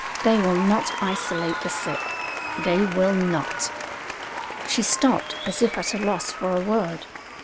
They will not isolate the sick; they will not " She stopped as if at a loss for a word.